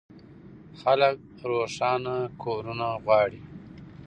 خلک روښانه کورونه غواړي.